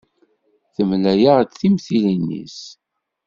Temlaya-ɣ-d timentilin-is.